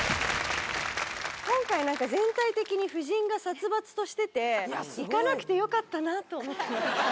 今回、なんか全体的に夫人が殺伐としてて、行かなくてよかったなと思って。